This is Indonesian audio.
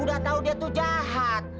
udah tahu dia tuh jahat